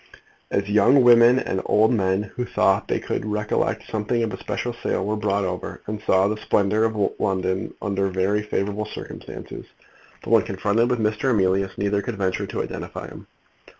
A young woman and an old man who thought that they could recollect something of a special sale were brought over, and saw the splendour of London under very favourable circumstances; but when confronted with Mr. Emilius, neither could venture to identify him.